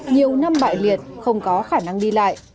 nhiều năm bại liệt không có khả năng đi lại